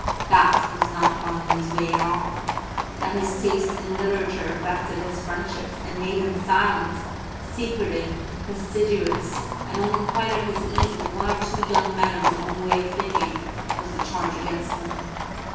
That was not Bonamy's way at all. That his taste in literature affected his friendships, and made him silent, secretive, fastidious, and only quite at his ease with one or two young men of his own way of thinking, was the charge against him.